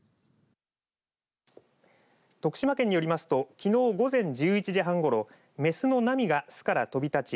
徳島県によりますときのう午前１１時半ごろ雌の、なみが巣から飛び立ち